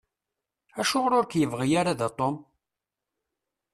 Acuɣeṛ ur k-yebɣi ara da Tom?